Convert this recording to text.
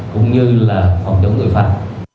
cũng như là phòng chống tội pháp